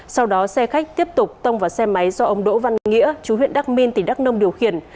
sau đó xe khách tiếp tục tông vào xe máy do ông đỗ văn nghĩa chú huyện đắc minh tỉnh đắk nông điều khiển